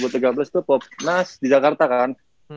tahun dua ribu tiga belas itu popnas di jakarta kan